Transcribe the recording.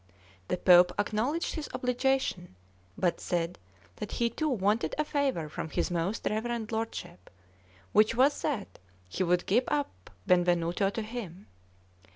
The Pope acknowledged his obligation, but said that he too wanted a favour from his most reverend lordship, which was that he would give up Benvenuto to him.